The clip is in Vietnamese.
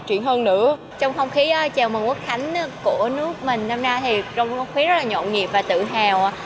trong không khí chào mừng quốc khánh của nước mình năm nay thì trong không khí rất là nhộn nhịp và tự hào